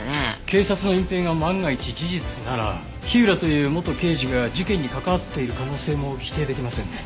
警察の隠蔽が万が一事実なら火浦という元刑事が事件に関わっている可能性も否定できませんね。